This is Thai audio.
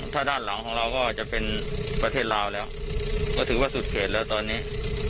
ถ้าด้านหลังของเราก็จะเป็นประเทศลาวแล้วก็ถือว่าสุดเขตแล้วตอนนี้